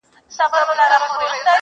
دلته ما په خپلو سترګو دي لیدلي .